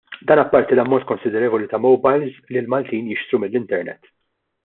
Dan apparti l-ammont konsidervoli ta' mowbajls li l-Maltin jixtru mill-internet.